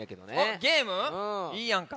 いいやんか。